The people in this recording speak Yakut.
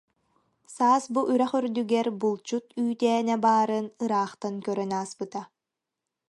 Саас бу үрэх үрдүгэр булчут үүтээнэ баарын ыраахтан көрөн ааспыта